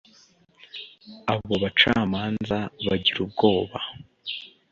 abo bacamanza bagira ubwoba